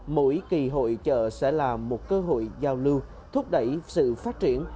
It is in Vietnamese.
mỗi kỳ hội trợ sẽ là một cơ hội giao lưu thúc đẩy sự phát triển